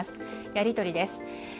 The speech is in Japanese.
やり取りです。